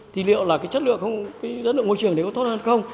thì liệu là cái chất lượng không cái dân lượng môi trường đấy có tốt hơn không